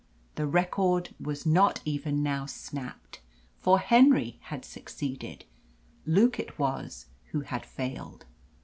The record was not even now snapped for Henry had succeeded, Luke it was who had failed.